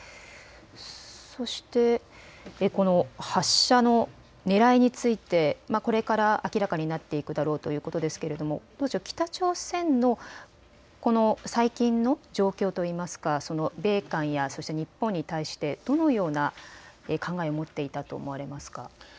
そして、この発射のねらいについてこれから明らかになっていくだろうということですが北朝鮮のこの最近の状況といいますか米韓や日本に対してどのような考えを持っていたと思われますか。